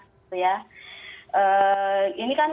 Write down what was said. itu harusnya dipangkas